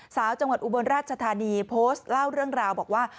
สาวจังหวัดอุบลราชธานีโพสต์เล่าเรื่องราวบอกว่า